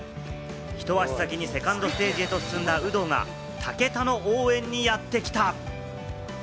一足先にセカンドステージへと進んだ有働が、武田の応援にやってきた！